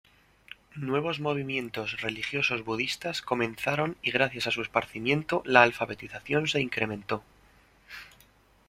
Nuevos movimientos religiosos budistas comenzaron y gracias a su esparcimiento la alfabetización se incrementó.